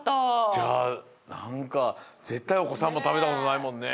じゃあなんかぜったいお子さんも食べたことないもんね。